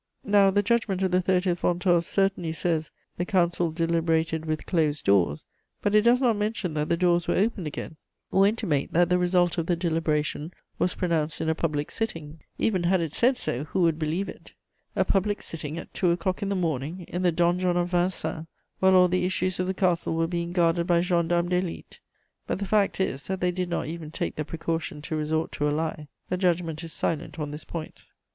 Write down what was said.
Now the judgment of the 30 Ventôse certainly says, 'The council deliberated with closed doors;' but it does not mention that the doors were opened again, or intimate that the result of the deliberation was pronounced in a public sitting. Even had it said so, who would believe it? A public sitting at two o'clock in the morning, in the donjon of Vincennes, while all the issues of the castle were being guarded by gendarmes d'élite! But the fact is that they did not even take the precaution to resort to a lie: the judgment is silent on this point.